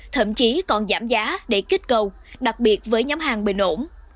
thậm chí còn giảm giá để kích cầu đặc biệt với nhóm hàng bình ổn